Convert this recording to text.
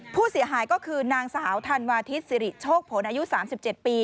ผู้เสียหายก็คือนางสาวธันวาทิศสิริโชคผลอายุ๓๗ปี